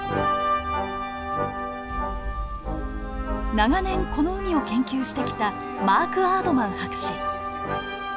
長年この海を研究してきたマーク・アードマン博士。